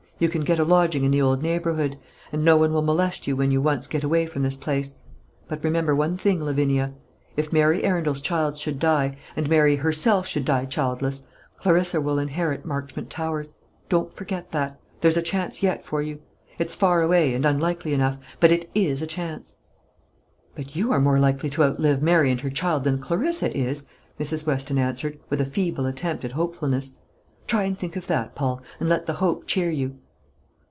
You can get a lodging in the old neighbourhood, and no one will molest you when you once get away from this place. But remember one thing, Lavinia: if Mary Arundel's child should die, and Mary herself should die childless, Clarissa will inherit Marchmont Towers. Don't forget that. There's a chance yet for you: it's far away, and unlikely enough; but it is a chance." "But you are more likely to outlive Mary and her child than Clarissa is," Mrs. Weston answered, with a feeble attempt at hopefulness; "try and think of that, Paul, and let the hope cheer you."